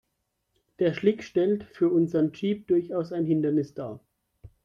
Der Schlick stellt für unseren Jeep durchaus ein Hindernis dar.